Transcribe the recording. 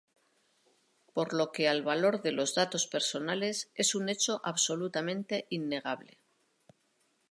Por lo que el valor de los datos personales es un hecho absolutamente innegable.